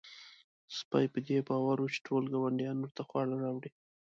سپی په دې باور و چې ټول ګاونډیان ورته خواړه راوړي.